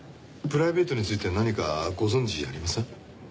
プライベートについて何かご存じありません？